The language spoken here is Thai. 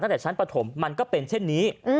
ตั้งแต่ชั้นปฐมมันก็เป็นเช่นนี้